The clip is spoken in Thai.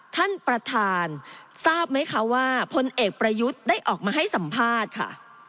ท่านประธานทราบไหมคะว่าพลเอกประยุทธ์ได้ออกมาให้สัมภาษณ์ค่ะ